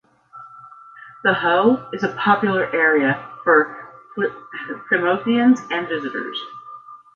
The Hoe is a popular area for Plymothians and visitors.